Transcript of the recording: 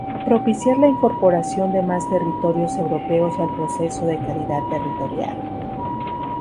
Propiciar la incorporación de más territorios europeos al proceso de calidad territorial.